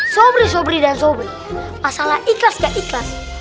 sobri sobri dan sobri masalah ikhlas gak ikhlas